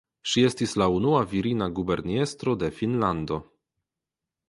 Ŝi estis la unua virina guberniestro de Finnlando.